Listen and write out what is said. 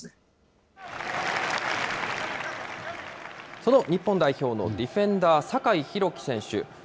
その日本代表のディフェンダー、酒井宏樹選手。